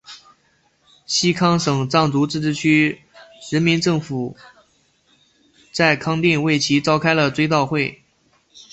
西康省藏族自治区人民政府在康定为其召开了追悼会。